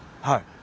はい。